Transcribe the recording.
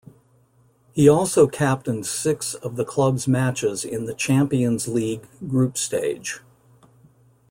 He also captained six of the club's matches in the Champions League group stage.